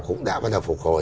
cũng đã bắt đầu phục hồi